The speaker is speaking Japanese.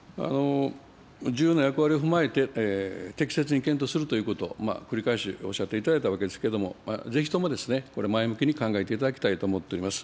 重要な役割を踏まえて、適切に検討するということ、繰り返しおっしゃっていただいたわけですけれども、ぜひともこれ、前向きに考えていただきたいと思っております。